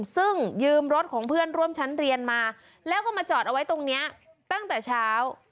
ซึ่งยืมรถของเพื่อนร่วมชั้นเรียนมาแล้วก็มาจอดเอาไว้ตรงนี้ตั้งแต่เช้า